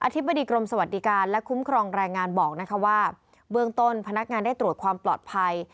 ธิบดีกรมสวัสดิการและคุ้มครองแรงงานบอกว่าเบื้องต้นพนักงานได้ตรวจความปลอดภัย